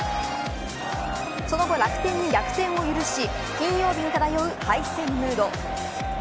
その後楽天に逆転を許し金曜日に漂う敗戦ムード。